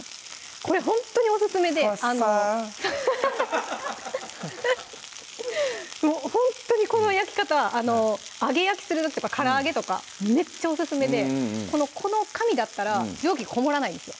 これほんとにオススメでファサもうほんとにこの焼き方揚げ焼きする時とかから揚げとかめっちゃオススメでこの紙だったら蒸気こもらないんですよ